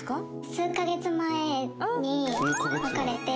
数カ月前に別れて。